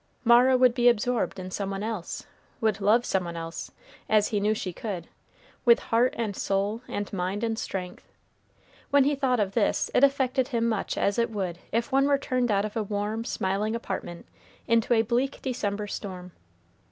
Mara would be absorbed in some one else, would love some one else, as he knew she could, with heart and soul and mind and strength. When he thought of this, it affected him much as it would if one were turned out of a warm, smiling apartment into a bleak December storm.